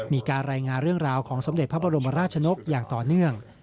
มีการรายงานเรื่องราวของสมเด็จพระบรมราชนกอย่างต่อเนื่อง